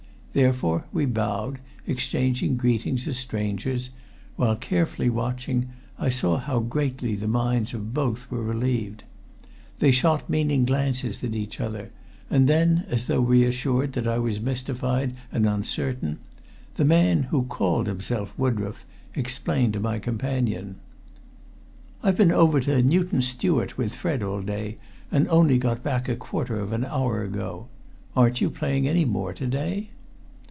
Therefore we bowed, exchanging greetings as strangers, while, carefully watching, I saw how greatly the minds of both were relieved. They shot meaning glances at each other, and then, as though reassured that I was mystified and uncertain, the man who called himself Woodroffe explained to my companion "I've been over to Newton Stewart with Fred all day, and only got back a quarter of an hour ago. Aren't you playing any more to day?"